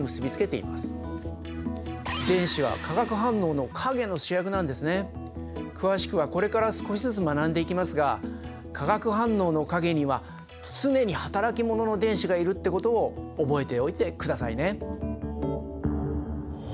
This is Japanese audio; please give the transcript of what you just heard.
例えば詳しくはこれから少しずつ学んでいきますが化学反応の陰には常に働き者の電子がいるってことを覚えておいてくださいね。